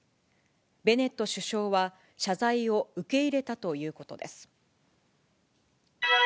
ベネット首相は、謝罪を受け入れたということです。